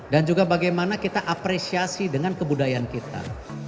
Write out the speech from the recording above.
dan juga bagaimana kita apresiasi dengan kebudayaan kita